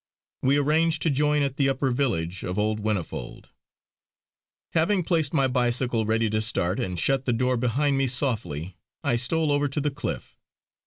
We arranged to join at the upper village of old Whinnyfold. Having placed my bicycle ready to start, and shut the door behind me softly, I stole over to the cliff.